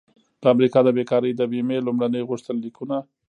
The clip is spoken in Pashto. د امریکا د بیکارۍ د بیمې لومړني غوښتنلیکونه